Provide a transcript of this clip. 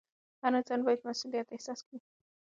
هر افغان باید مسوولیت احساس کړي.